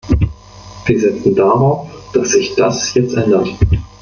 Wir setzen darauf, dass sich das jetzt ändert.